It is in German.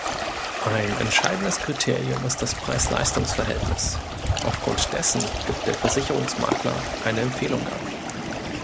Ein entscheidendes Kriterium ist das Preis-Leistungs-Verhältnis; aufgrund dessen gibt der Versicherungsmakler eine Empfehlung ab.